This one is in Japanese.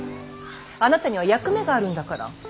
あなたには役目があるんだから。